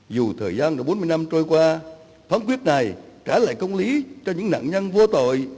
dù thời gian đã bốn mươi năm trôi qua phán quyết này trả lại công lý cho những nạn nhân vô tội